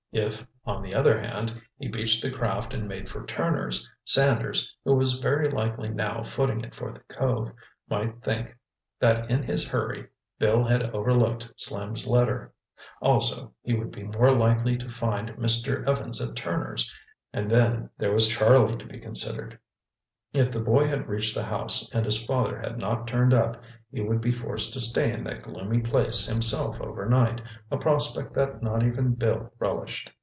If, on the other hand, he beached the craft and made for Turner's, Sanders, who was very likely now footing it for the cove, might think that in his hurry Bill had overlooked Slim's letter. Also, he would be more likely to find Mr. Evans at Turner's, and then, there was Charlie to be considered. If the boy had reached the house and his father had not turned up, he would be forced to stay in that gloomy place himself overnight, a prospect that not even Bill relished.